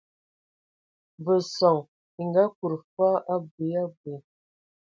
Ve son e ngaakud foo abui abui.